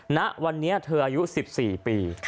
ณวันนี้เธออายุ๑๔ปี